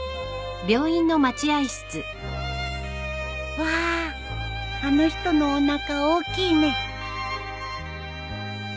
わああの人のおなか大きいね。